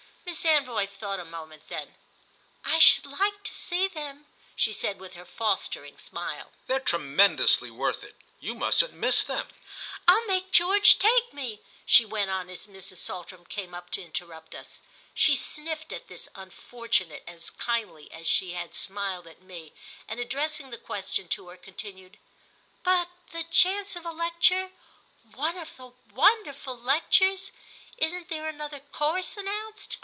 Miss Anvoy thought a moment. Then, "I should like to see them," she said with her fostering smile. "They're tremendously worth it. You mustn't miss them." "I'll make George take me," she went on as Mrs. Saltram came up to interrupt us. She sniffed at this unfortunate as kindly as she had smiled at me and, addressing the question to her, continued: "But the chance of a lecture—one of the wonderful lectures? Isn't there another course announced?"